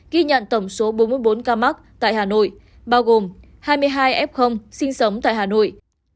ghi nhận tổng số bốn mươi bốn ca mắc tại hà nội bao gồm hai mươi hai f sinh sống tại hà nội